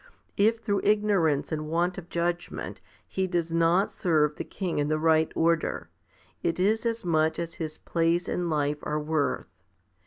If through ignorance and want of judgment he does not serve the king in the right order, it is as much as his place and life are worth.